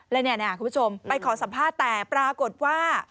แล้วเนี่ยคุณผู้ชมไปขอสัมภาษณ์แต่ปรากฏว่า